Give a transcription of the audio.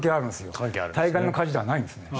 対岸の火事じゃないんですよ。